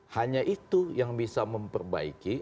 hanya itu yang bisa memperbaiki